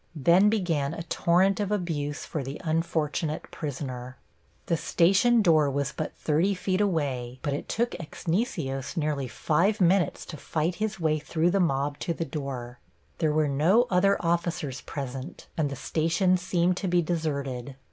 Then began a torrent of abuse for the unfortunate prisoner. The station door was but thirty feet away, but it took Exnicios nearly five minutes to fight his way through the mob to the door. There were no other officers present, and the station seemed to be deserted.